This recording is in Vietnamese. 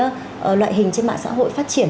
tình hình trên mạng xã hội phát triển